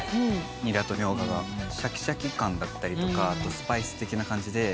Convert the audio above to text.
ニラとミョウガがシャキシャキ感だったりとかあとスパイス的な感じで。